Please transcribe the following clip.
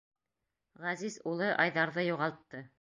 Ғәзиз улы Айҙарҙы юғалтты.